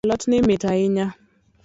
Alotni mit hainya.